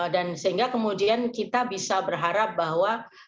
dan sehingga kemudian kita bisa berharap bahwa